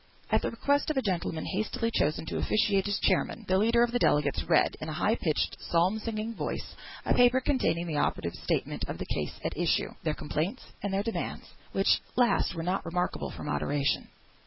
At the request of a gentleman hastily chosen to officiate as chairman, the leader of the delegates read, in a high pitched, psalm singing voice, a paper, containing the operatives' statement of the case at issue, their complaints, and their demands, which last were not remarkable for moderation.